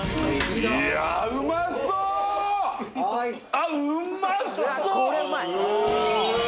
あっうまそっ！